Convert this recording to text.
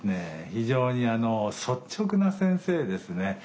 非常に率直な先生ですね。